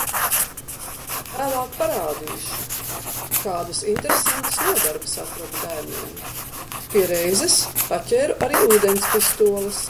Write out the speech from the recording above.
Vēlāk parādīšu, kādas interesantas nodarbes atradu bērniem. Pie reizes paķēru arī ūdens pistoles.